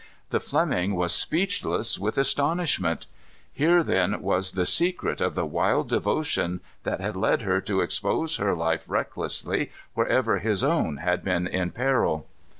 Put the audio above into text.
The Fleming was speechless with astonishment. Here, then, was the secret of the wild devotion that had led her to expose her life recklessly wherever his own had been in peril.